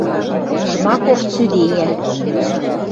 Жмаков цӱдейӓ...